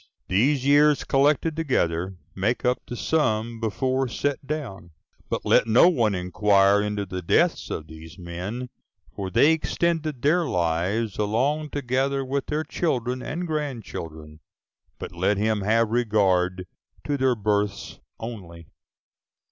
These years collected together make up the sum before set down. But let no one inquire into the deaths of these men; for they extended their lives along together with their children and grandchildren; but let him have regard to their births only.